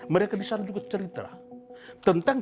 mereka disana juga cerita